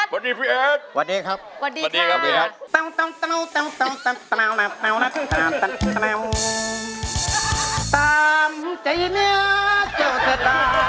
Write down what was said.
วัสดีพี่แอดวัสดีครับวัสดีครับพี่แอด